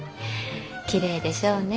きれいでしょうね。